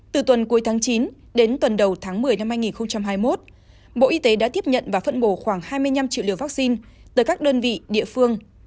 từ tuần cuối tháng chín đến tuần đầu tháng một mươi năm hai nghìn hai mươi một bộ y tế đã tiếp nhận và phân bổ khoảng hai mươi năm triệu liều vaccine tới các đơn vị địa phương